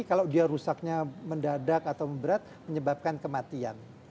kalau dia rusaknya mendadak atau memberat menyebabkan kematian